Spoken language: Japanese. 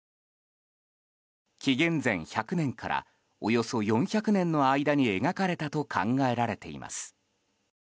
紀元前１００年からおよそ４００年の間に描かれたと考えられています。